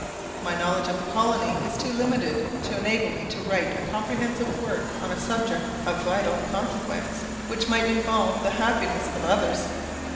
My knowledge of the colony is too limited to enable me to write a comprehensive work on a subject of vital consequence, which might involve the happiness of others.